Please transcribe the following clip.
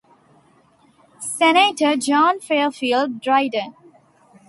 Senator John Fairfield Dryden.